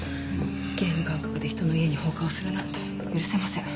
ゲーム感覚で人の家に放火をするなんて許せません。